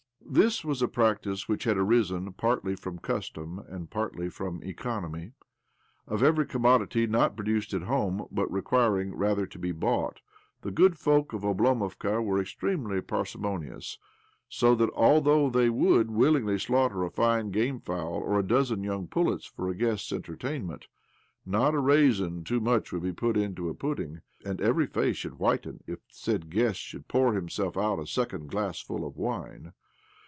This was a practice which had arisen partly from custom and partly from economy. Of every commodity not produced at home, but re quiring, rather, to be bought, the good folk of Oblomovka were extremely parsimonious ; so that, although they would willingly slaughter a fine gamefowl or a dozen young pullets for a guest's entertainment, not a raisin too much would be put into a 132 OBLOMOV pudding, and every face would whiten if the said guest should pour himself out a second glassful of wine.